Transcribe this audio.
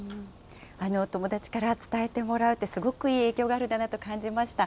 友達から伝えてもらうってすごくいい影響があるんだなと感じました。